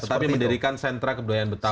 tetapi mendirikan sentra kebudayaan betawi